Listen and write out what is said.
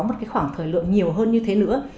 một khoảng thời lượng nhiều hơn như thế nữa